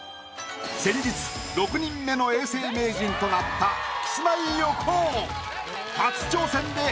先日６人目の永世名人となったキスマイ横尾。